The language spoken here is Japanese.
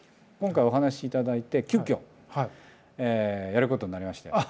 今回お話頂いて急きょやることになりまして。